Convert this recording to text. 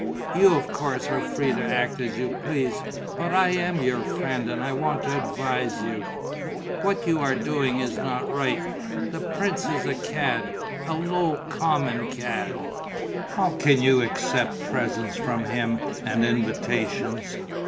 You of course are free to act as you please. But I am your friend and I want to advise you. What you are doing is not right. The prince is a cad, a low, common cad. How can you accept presents from him and invitations?